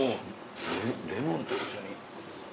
レモンと一緒に。